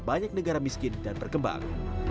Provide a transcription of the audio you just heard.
banyak negara miskin dan berkembang